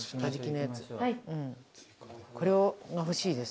これが欲しいです。